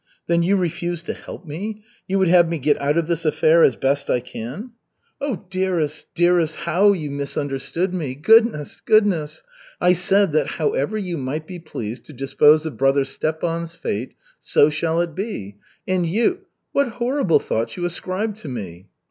"Then you refuse to help me? You would have me get out of this affair as best I can?" "Oh, dearest, dearest, how you misunderstood me! Goodness, goodness! I said, that however you might be pleased to dispose of brother Stepan's fate, so shall it be, and you what horrible thoughts you ascribe to me."